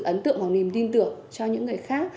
ấn tượng hoặc niềm tin tưởng cho những người khác